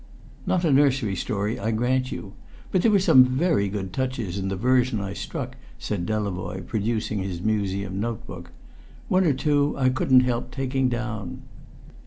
"Not a nursery story, I grant you! But there were some good touches in the version I struck," said Delavoye, producing his museum note book. "One or two I couldn't help taking down.